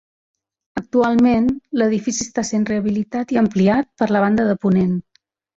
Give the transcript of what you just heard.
Actualment, l'edifici està essent rehabilitat i ampliat per la banda de ponent.